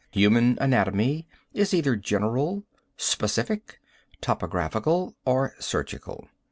Human anatomy is either general, specific, topographical or surgical.